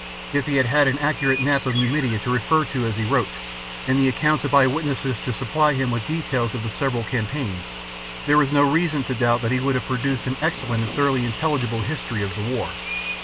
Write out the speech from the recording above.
If he had had an accurate map of Numidia to refer to as he wrote, and the accounts of eye witnesses to supply him with details of the several campaigns, there is no reason to doubt that he would have produced an excellent and thoroughly intelligible history of the war.